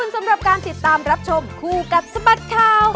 สวัสดีครับสวัสดีครับ